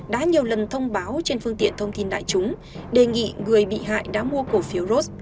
đã nhiều lần thông báo trên phương tiện thông tin đại chúng đề nghị người bị hại đã mua cổ phiếu ros